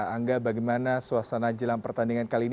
angga bagaimana suasana jelang pertandingan kali ini